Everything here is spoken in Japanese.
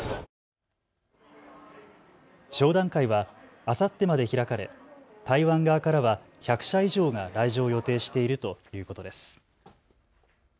商談会はあさってまで開かれ台湾側からは１００社以上が来場を予定しているということです。